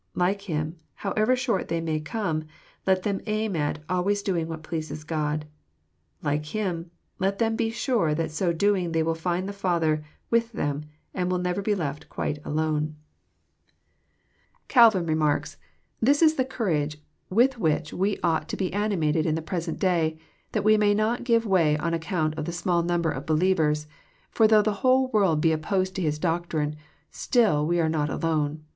Like Him, however short they may come, let them aim at " always doing what pleases God." Like Him, let them be sure that so doing they will find the Father with them," and will never be left quite alone.' »> 100 KXF08IT0BT THOUOHT8. Calrln remarks :This is the courage with which we onght to be animated in the present day, that we may not give way on accoantof the small nomber of belieyers : for though the wholo world be opposed to His doctrine, stiU we are not alone.